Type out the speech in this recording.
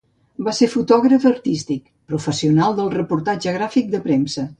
Va ser fotògraf artístic, professional del reportatge gràfic de premsa.